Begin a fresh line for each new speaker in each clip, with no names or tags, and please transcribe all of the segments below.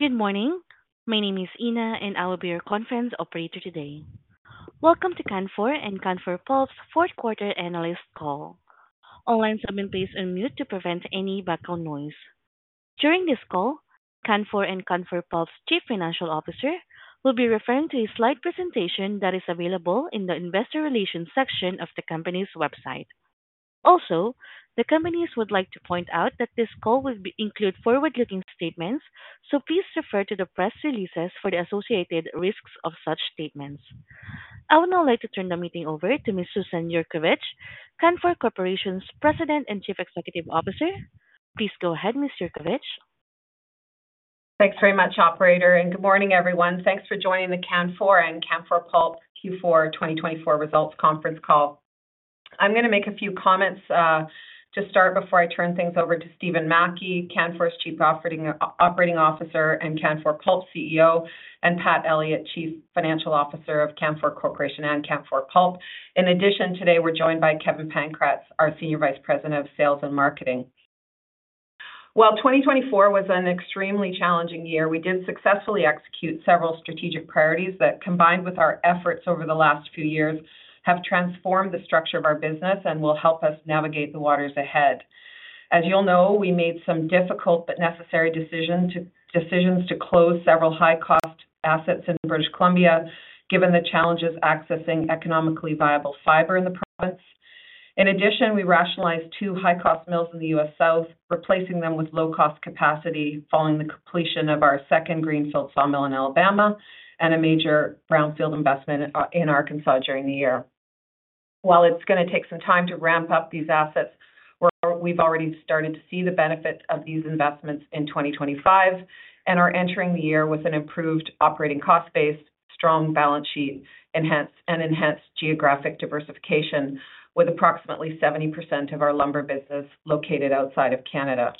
Good morning. My name is Ina, and I will be your conference operator today. Welcome to Canfor and Canfor Pulp's Fourth Quarter Analyst Call. All lines are on mute to prevent any background noise. During this call, Canfor and Canfor Pulp's Chief Financial Officer will be referring to a slide presentation that is available in the Investor Relations section of the company's website. Also, the companies would like to point out that this call will include forward-looking statements, so please refer to the press releases for the associated risks of such statements. I would now like to turn the meeting over to Ms. Susan Yurkovich, Canfor Corporation's President and Chief Executive Officer. Please go ahead, Ms. Yurkovich.
Thanks very much, Operator, and good morning, everyone. Thanks for joining the Canfor and Canfor Pulp Q4 2024 results conference call. I'm going to make a few comments to start before I turn things over to Stephen Mackie, Canfor's Chief Operating Officer and Canfor Pulp CEO, and Pat Elliott, Chief Financial Officer of Canfor Corporation and Canfor Pulp. In addition, today we're joined by Kevin Pankratz, our Senior Vice President of Sales and Marketing. 2024 was an extremely challenging year. We did successfully execute several strategic priorities that, combined with our efforts over the last few years, have transformed the structure of our business and will help us navigate the waters ahead. As you'll know, we made some difficult but necessary decisions to close several high-cost assets in British Columbia, given the challenges accessing economically viable fiber in the province. In addition, we rationalized two high-cost mills in the U.S. South, replacing them with low-cost capacity following the completion of our second greenfield sawmill in Alabama and a major brownfield investment in Arkansas during the year. While it's going to take some time to ramp up these assets, we've already started to see the benefit of these investments in 2025 and are entering the year with an improved operating cost base, strong balance sheet, and enhanced geographic diversification, with approximately 70% of our lumber business located outside of Canada.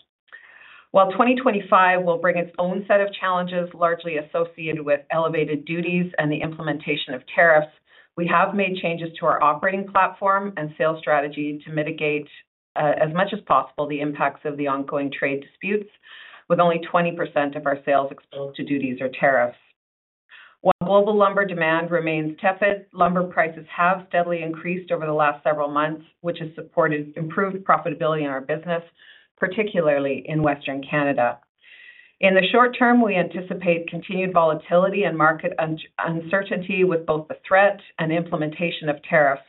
While 2025 will bring its own set of challenges largely associated with elevated duties and the implementation of tariffs, we have made changes to our operating platform and sales strategy to mitigate, as much as possible, the impacts of the ongoing trade disputes, with only 20% of our sales exposed to duties or tariffs. While global lumber demand remains tepid, lumber prices have steadily increased over the last several months, which has supported improved profitability in our business, particularly in Western Canada. In the short term, we anticipate continued volatility and market uncertainty with both the threat and implementation of tariffs,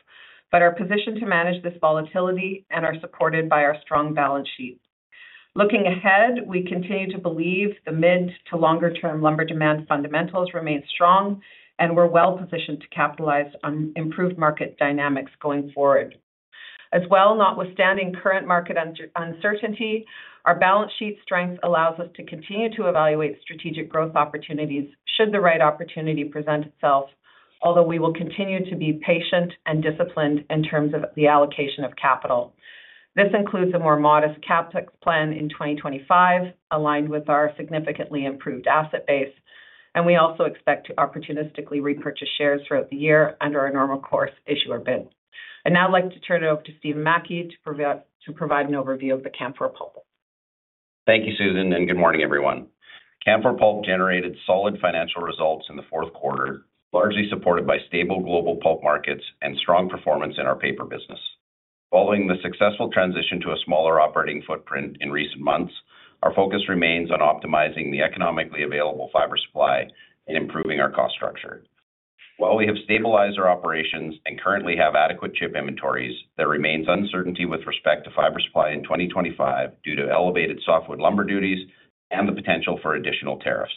but our position to manage this volatility is supported by our strong balance sheet. Looking ahead, we continue to believe the mid to longer-term lumber demand fundamentals remain strong, and we're well positioned to capitalize on improved market dynamics going forward. As well, notwithstanding current market uncertainty, our balance sheet strength allows us to continue to evaluate strategic growth opportunities should the right opportunity present itself, although we will continue to be patient and disciplined in terms of the allocation of capital. This includes a more modest CapEx plan in 2025, aligned with our significantly improved asset base, and we also expect to opportunistically repurchase shares throughout the year under our normal course issuer bid. I would now like to turn it over to Stephen Mackie to provide an overview of the Canfor Pulp.
Thank you, Susan, and good morning, everyone. Canfor Pulp generated solid financial results in the fourth quarter, largely supported by stable global pulp markets and strong performance in our paper business. Following the successful transition to a smaller operating footprint in recent months, our focus remains on optimizing the economically available fiber supply and improving our cost structure. While we have stabilized our operations and currently have adequate chip inventories, there remains uncertainty with respect to fiber supply in 2025 due to elevated softwood lumber duties and the potential for additional tariffs.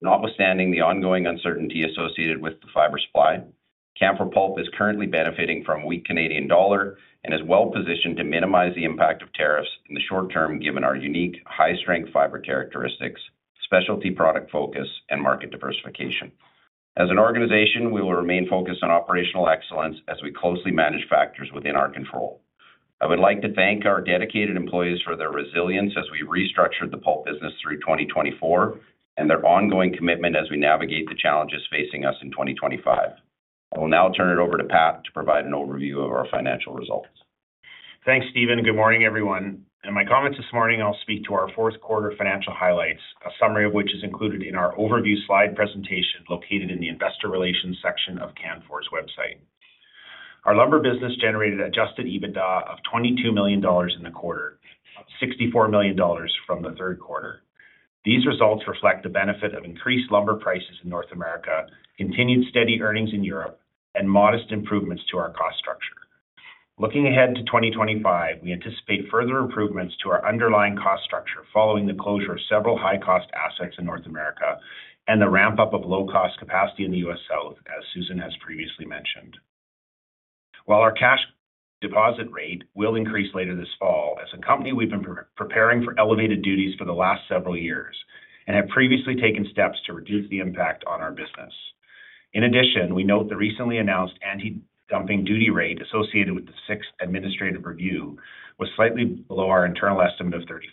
Notwithstanding the ongoing uncertainty associated with the fiber supply, Canfor Pulp is currently benefiting from a weak Canadian dollar and is well positioned to minimize the impact of tariffs in the short term given our unique high-strength fiber characteristics, specialty product focus, and market diversification. As an organization, we will remain focused on operational excellence as we closely manage factors within our control. I would like to thank our dedicated employees for their resilience as we restructured the pulp business through 2024 and their ongoing commitment as we navigate the challenges facing us in 2025. I will now turn it over to Pat to provide an overview of our financial results.
Thanks, Stephen. Good morning, everyone. In my comments this morning, I'll speak to our fourth quarter financial highlights, a summary of which is included in our overview slide presentation located in the Investor Relations section of Canfor's website. Our lumber business generated adjusted EBITDA of $22 million in the quarter, $64 million from the third quarter. These results reflect the benefit of increased lumber prices in North America, continued steady earnings in Europe, and modest improvements to our cost structure. Looking ahead to 2025, we anticipate further improvements to our underlying cost structure following the closure of several high-cost assets in North America and the ramp-up of low-cost capacity in the U.S. South, as Susan has previously mentioned. While our cash deposit rate will increase later this fall, as a company, we've been preparing for elevated duties for the last several years and have previously taken steps to reduce the impact on our business. In addition, we note the recently announced anti-dumping duty rate associated with the sixth administrative review was slightly below our internal estimate of 35%,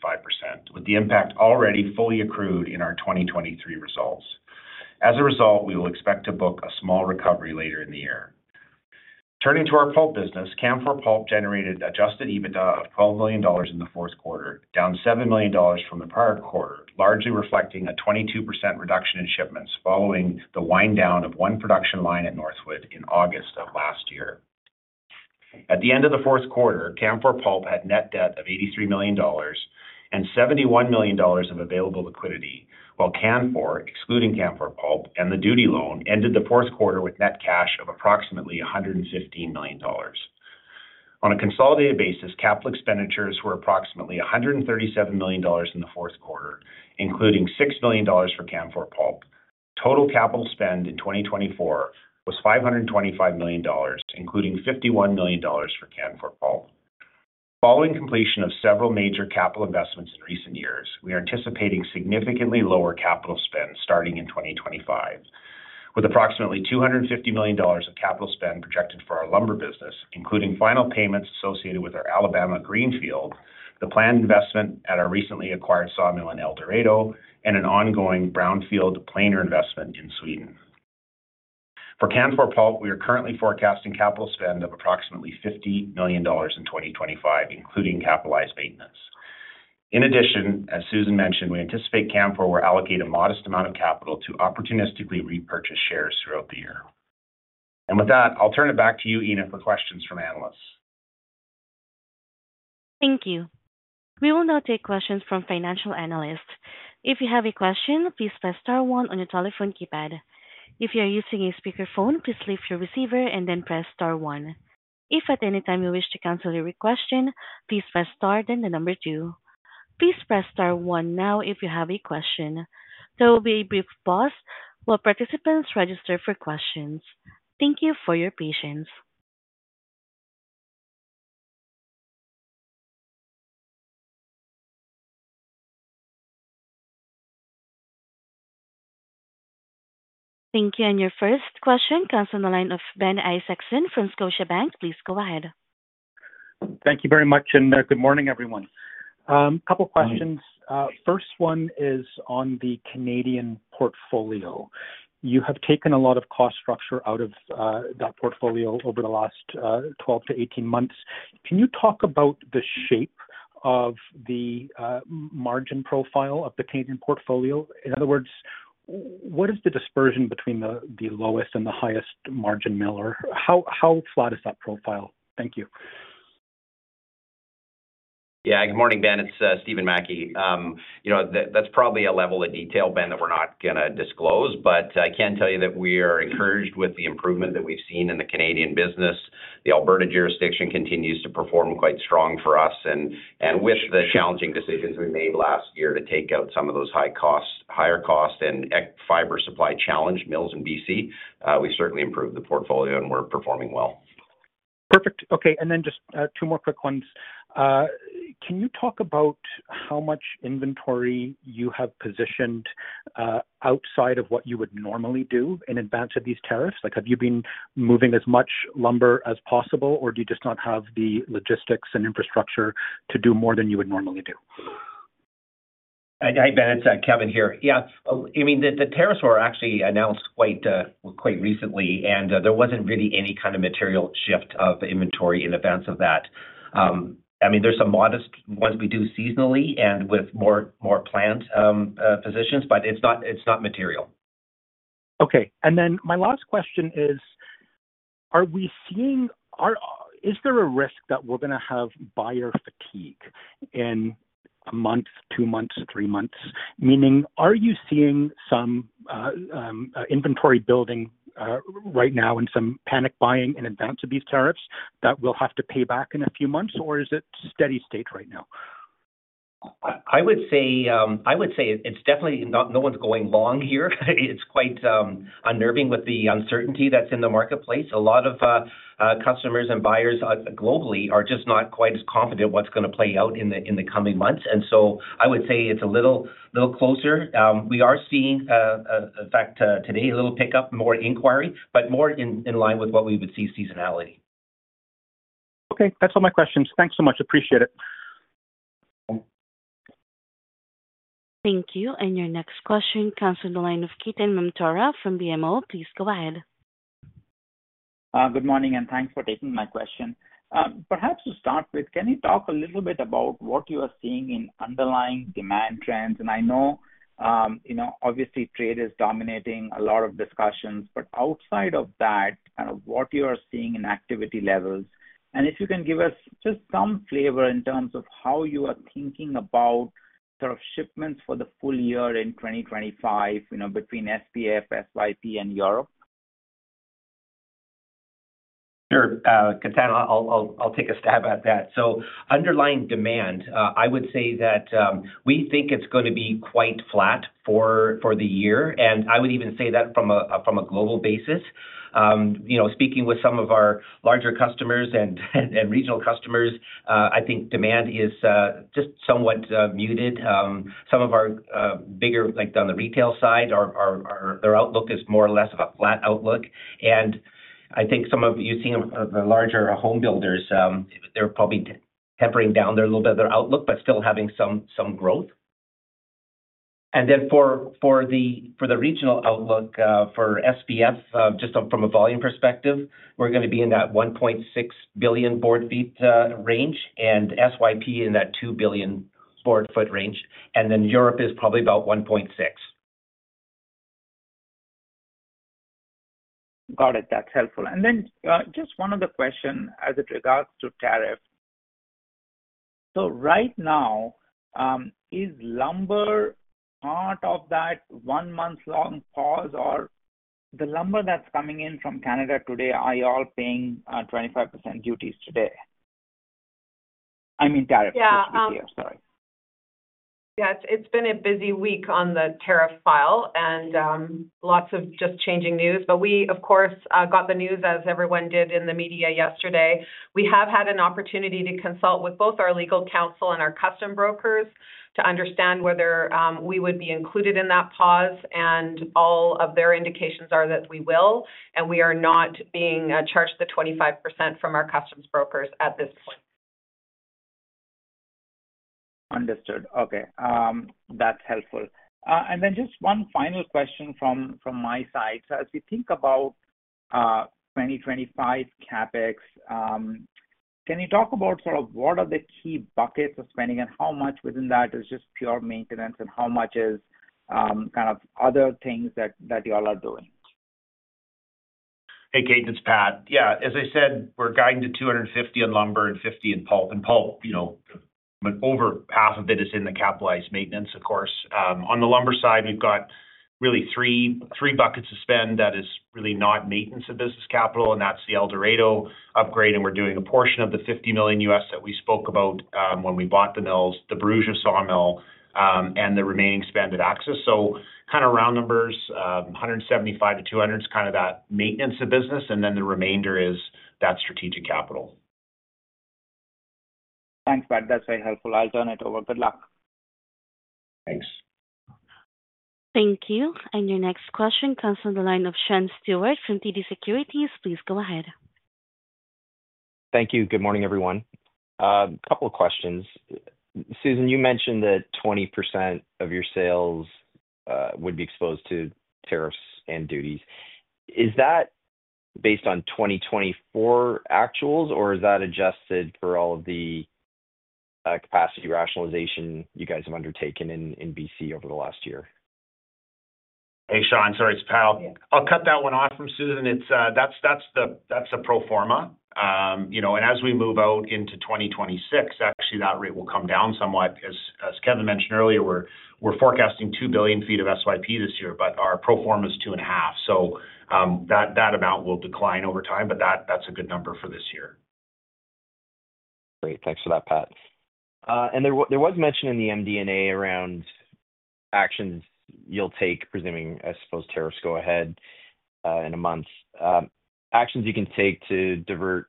with the impact already fully accrued in our 2023 results. As a result, we will expect to book a small recovery later in the year. Turning to our pulp business, Canfor Pulp generated adjusted EBITDA of $12 million in the fourth quarter, down $7 million from the prior quarter, largely reflecting a 22% reduction in shipments following the wind-down of one production line at Northwood in August of last year. At the end of the fourth quarter, Canfor Pulp had net debt of $83 million and $71 million of available liquidity, while Canfor, excluding Canfor Pulp and the duty loan, ended the fourth quarter with net cash of approximately $115 million. On a consolidated basis, capital expenditures were approximately $137 million in the fourth quarter, including $6 million for Canfor Pulp. Total capital spend in 2024 was $525 million, including $51 million for Canfor Pulp. Following completion of several major capital investments in recent years, we are anticipating significantly lower capital spend starting in 2025, with approximately $250 million of capital spend projected for our lumber business, including final payments associated with our Alabama greenfield, the planned investment at our recently acquired sawmill in El Dorado, and an ongoing brownfield planer investment in Sweden. For Canfor Pulp, we are currently forecasting capital spend of approximately $50 million in 2025, including capitalized maintenance. In addition, as Susan mentioned, we anticipate Canfor will allocate a modest amount of capital to opportunistically repurchase shares throughout the year. With that, I'll turn it back to you, Ina, for questions from analysts.
Thank you. We will now take questions from financial analysts. If you have a question, please press Star one on your telephone keypad. If you are using a speakerphone, please lift your receiver and then press Star one. If at any time you wish to cancel your request, please press Star then the number two. Please press Star one now if you have a question. There will be a brief pause while participants register for questions. Thank you for your patience. Thank you. Your first question comes from the line of Ben Isaacson from Scotiabank. Please go ahead.
Thank you very much and good morning, everyone. A couple of questions. First one is on the Canadian portfolio. You have taken a lot of cost structure out of that portfolio over the last 12 to 18 months. Can you talk about the shape of the margin profile of the Canadian portfolio? In other words, what is the dispersion between the lowest and the highest margin mill, or how flat is that profile? Thank you.
Yeah, good morning, Ben. It's Stephen Mackie. That's probably a level of detail, Ben, that we're not going to disclose, but I can tell you that we are encouraged with the improvement that we've seen in the Canadian business. The Alberta jurisdiction continues to perform quite strong for us. With the challenging decisions we made last year to take out some of those higher cost and fiber supply challenge mills in British Columbia, we've certainly improved the portfolio and we're performing well.
Perfect. Okay. Just two more quick ones. Can you talk about how much inventory you have positioned outside of what you would normally do in advance of these tariffs? Have you been moving as much lumber as possible, or do you just not have the logistics and infrastructure to do more than you would normally do?
Hi, Ben. It's Kevin here. Yeah. I mean, the tariffs were actually announced quite recently, and there wasn't really any kind of material shift of inventory in advance of that. I mean, there's some modest ones we do seasonally and with more planned positions, but it's not material.
Okay. My last question is, is there a risk that we're going to have buyer fatigue in a month, two months, three months? Meaning, are you seeing some inventory building right now and some panic buying in advance of these tariffs that we'll have to pay back in a few months, or is it steady state right now?
I would say it's definitely no one's going long here. It's quite unnerving with the uncertainty that's in the marketplace. A lot of customers and buyers globally are just not quite as confident what's going to play out in the coming months. I would say it's a little closer. We are seeing, in fact, today, a little pickup, more inquiry, but more in line with what we would see seasonality.
Okay. That's all my questions. Thanks so much. Appreciate it.
Thank you. Your next question comes from the line of Ketan Mamtora from BMO. Please go ahead.
Good morning and thanks for taking my question. Perhaps to start with, can you talk a little bit about what you are seeing in underlying demand trends? I know, obviously, trade is dominating a lot of discussions, but outside of that, what you are seeing in activity levels, and if you can give us just some flavor in terms of how you are thinking about sort of shipments for the full year in 2025 between SPF, SYP, and Europe?
Sure. I'll take a stab at that. Underlying demand, I would say that we think it's going to be quite flat for the year. I would even say that from a global basis. Speaking with some of our larger customers and regional customers, I think demand is just somewhat muted. Some of our bigger on the retail side, their outlook is more or less of a flat outlook. I think some of you seeing the larger home builders, they're probably tempering down a little bit of their outlook, but still having some growth. For the regional outlook for SPF, just from a volume perspective, we're going to be in that 1.6 billion board feet range and SYP in that 2 billion board foot range. Europe is probably about 1.6.
Got it. That's helpful. Just one other question as it regards to tariff. Right now, is lumber part of that one-month long pause, or the lumber that's coming in from Canada today, are you all paying 25% duties today? I mean, tariff, just to be clear. Sorry.
Yeah. It's been a busy week on the tariff file and lots of just changing news. We, of course, got the news as everyone did in the media yesterday. We have had an opportunity to consult with both our legal counsel and our customs brokers to understand whether we would be included in that pause. All of their indications are that we will, and we are not being charged the 25% from our customs brokers at this point.
Understood. Okay. That's helpful. Just one final question from my side. As we think about 2025 CapEx, can you talk about sort of what are the key buckets of spending and how much within that is just pure maintenance and how much is kind of other things that you all are doing?
Hey, Kate, it's Pat. Yeah. As I said, we're guiding to $250 million on lumber and $50 million in pulp. And pulp, over half of it is in the capitalized maintenance, of course. On the lumber side, we've got really three buckets of spend that is really not maintenance of business capital. That is the El Dorado upgrade. We're doing a portion of the $50 million U.S. that we spoke about when we bought the mills, the Bruza sawmill, and the remaining spend at Axis. Kind of round numbers, $175 million-$200 million is kind of that maintenance of business. The remainder is that strategic capital.
Thanks, Pat. That's very helpful. I'll turn it over. Good luck.
Thanks.
Thank you. Your next question comes from the line of Sean Steuart from TD Securities. Please go ahead.
Thank you. Good morning, everyone. A couple of questions. Susan, you mentioned that 20% of your sales would be exposed to tariffs and duties. Is that based on 2024 actuals, or is that adjusted for all of the capacity rationalization you guys have undertaken in BC over the last year?
Hey, Sean. Sorry, it's Pat. I'll cut that one off from Susan. That's the pro forma. As we move out into 2026, actually, that rate will come down somewhat. As Kevin mentioned earlier, we're forecasting 2 billion feet of SYP this year, but our pro forma is 2.5. That amount will decline over time, but that's a good number for this year.
Great. Thanks for that, Pat. There was mention in the MD&A around actions you'll take, presuming, I suppose, tariffs go ahead in a month. Actions you can take to divert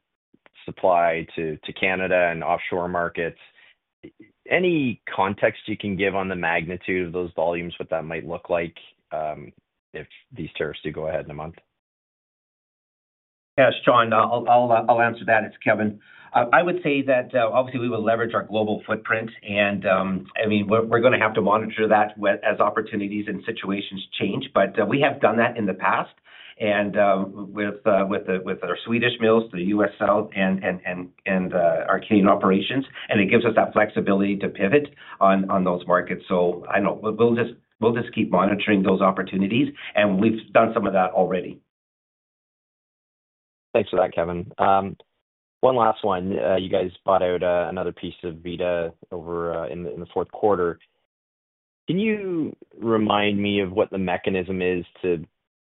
supply to Canada and offshore markets. Any context you can give on the magnitude of those volumes, what that might look like if these tariffs do go ahead in a month?
Yeah, Sean, I'll answer that. It's Kevin. I would say that, obviously, we will leverage our global footprint. I mean, we're going to have to monitor that as opportunities and situations change. We have done that in the past with our Swedish mills, the U.S. South, and our Canadian operations. It gives us that flexibility to pivot on those markets. We will just keep monitoring those opportunities. We've done some of that already.
Thanks for that, Kevin. One last one. You guys bought out another piece of Vida in the fourth quarter. Can you remind me of what the mechanism is to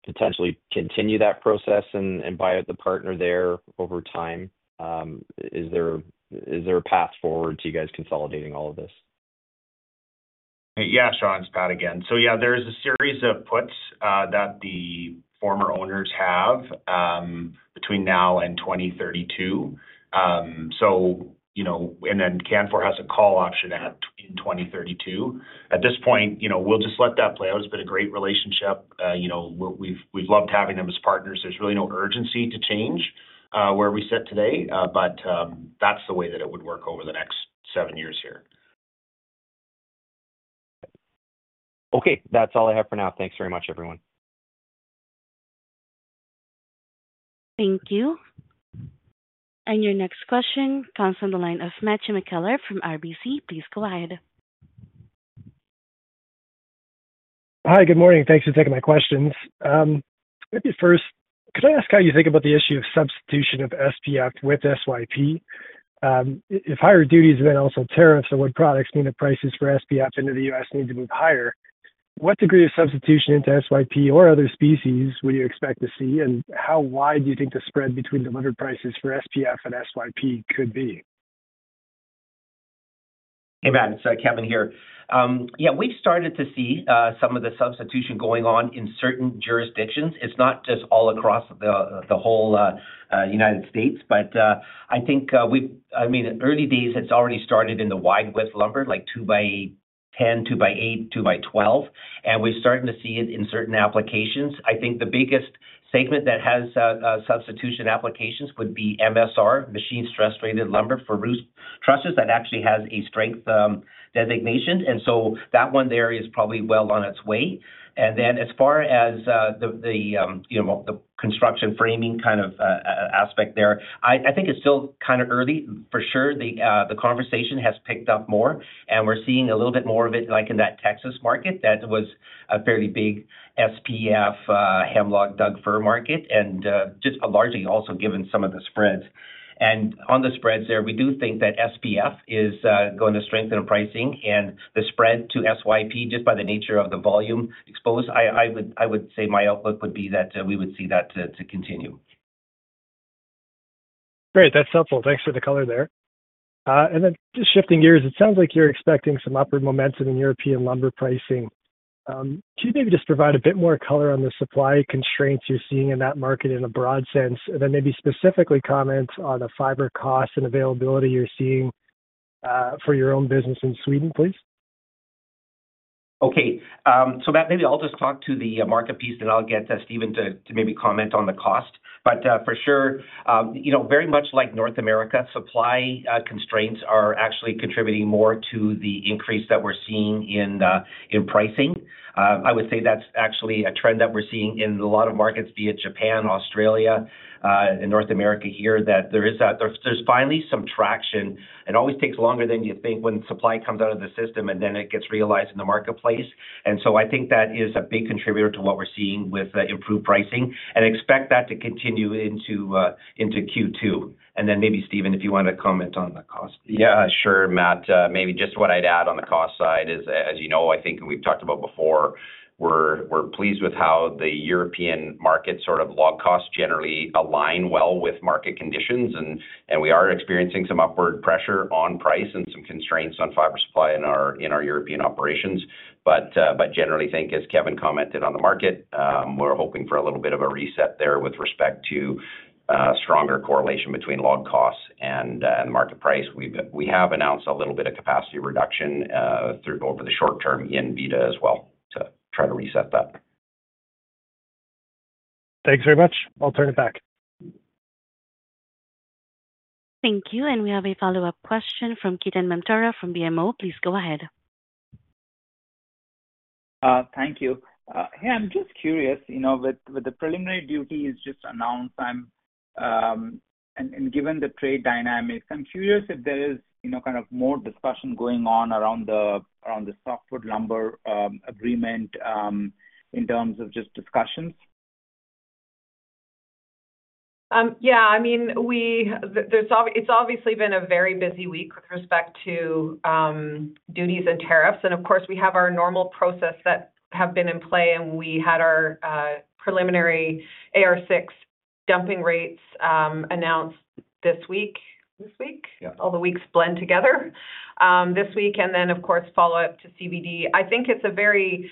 potentially continue that process and buy out the partner there over time? Is there a path forward to you guys consolidating all of this?
Yeah, Sean, it's Pat again. Yeah, there is a series of puts that the former owners have between now and 2032. Canfor has a call option in 2032. At this point, we'll just let that play out. It's been a great relationship. We've loved having them as partners. There's really no urgency to change where we sit today. That's the way that it would work over the next seven years here.
Okay. That's all I have for now. Thanks very much, everyone.
Thank you. Your next question comes from the line of Matthew McKellar from RBC. Please go ahead.
Hi, good morning. Thanks for taking my questions. Could I ask how you think about the issue of substitution of SPF with SYP? If higher duties and then also tariffs on wood products mean that prices for SPF into the U.S. need to move higher, what degree of substitution into SYP or other species would you expect to see? How wide do you think the spread between delivered prices for SPF and SYP could be?
Hey, Matt. It's Kevin here. Yeah, we've started to see some of the substitution going on in certain jurisdictions. It's not just all across the whole United States. I think, I mean, in early days, it's already started in the wide width lumber, like 2x10, 2x8, 2x12. We're starting to see it in certain applications. I think the biggest segment that has substitution applications would be MSR, machine stress-rated lumber for roof trusses that actually has a strength designation. That one there is probably well on its way. As far as the construction framing kind of aspect there, I think it's still kind of early for sure. The conversation has picked up more. We are seeing a little bit more of it in that Texas market that was a fairly big SPF, Hemlock, Doug Fir market, and just largely also given some of the spreads. On the spreads there, we do think that SPF is going to strengthen pricing and the spread to SYP just by the nature of the volume exposed. I would say my outlook would be that we would see that continue.
Great. That's helpful. Thanks for the color there. Just shifting gears, it sounds like you're expecting some upward momentum in European lumber pricing. Can you maybe just provide a bit more color on the supply constraints you're seeing in that market in a broad sense? Maybe specifically comment on the fiber cost and availability you're seeing for your own business in Sweden, please.
Okay. Maybe I'll just talk to the market piece, then I'll get Stephen to maybe comment on the cost. For sure, very much like North America, supply constraints are actually contributing more to the increase that we're seeing in pricing. I would say that's actually a trend that we're seeing in a lot of markets, be it Japan, Australia, and North America here, that there's finally some traction. It always takes longer than you think when supply comes out of the system and then it gets realized in the marketplace. I think that is a big contributor to what we're seeing with improved pricing. Expect that to continue into Q2. Maybe, Stephen, if you want to comment on the cost.
Yeah, sure, Matt. Maybe just what I'd add on the cost side is, as you know, I think we've talked about before, we're pleased with how the European markets sort of log costs generally align well with market conditions. We are experiencing some upward pressure on price and some constraints on fiber supply in our European operations. Generally, I think, as Kevin commented on the market, we're hoping for a little bit of a reset there with respect to stronger correlation between log costs and market price. We have announced a little bit of capacity reduction over the short term in Vida as well to try to reset that.
Thanks very much. I'll turn it back.
Thank you. We have a follow-up question from Ketan Mamtora from BMO. Please go ahead.
Thank you. Hey, I'm just curious. With the preliminary duties just announced and given the trade dynamics, I'm curious if there is kind of more discussion going on around the softwood lumber agreement in terms of just discussions.
Yeah. I mean, it's obviously been a very busy week with respect to duties and tariffs. Of course, we have our normal process that has been in play. We had our preliminary AR6 dumping rates announced this week. This week? All the weeks blend together. This week. Of course, follow-up to CVD. I think it's a very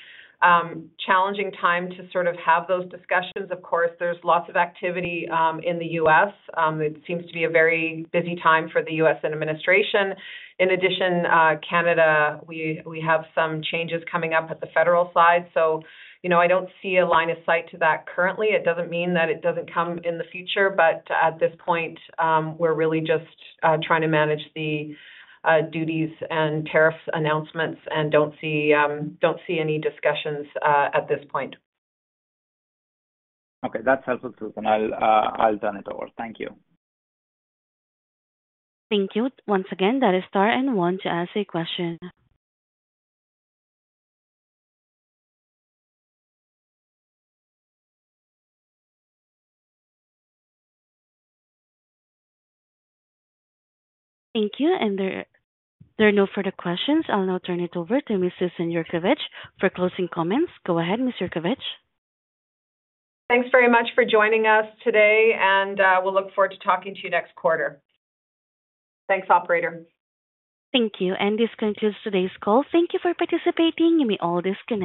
challenging time to sort of have those discussions. Of course, there's lots of activity in the U.S. It seems to be a very busy time for the U.S. administration. In addition, Canada, we have some changes coming up at the federal side. I don't see a line of sight to that currently. It doesn't mean that it doesn't come in the future. At this point, we're really just trying to manage the duties and tariffs announcements and don't see any discussions at this point.
Okay. That's helpful, Susan. I'll turn it over. Thank you.
Thank you. Once again, that isStar and one and want to ask a question. Thank you. There are no further questions. I'll now turn it over to Ms. Susan Yurkovich for closing comments. Go ahead, Ms. Yurkovich.
Thanks very much for joining us today. We look forward to talking to you next quarter. Thanks, operator.
Thank you. This concludes today's call. Thank you for participating. You may all disconnect.